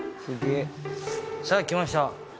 さぁ来ました